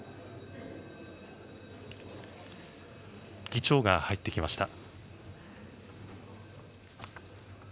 議長が入ってきました。